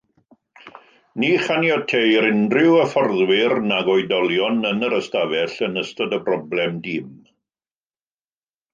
Ni chaniateir unrhyw hyfforddwyr nac oedolion yn yr ystafell yn ystod y broblem tîm.